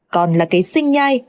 còn là cái sinh nhai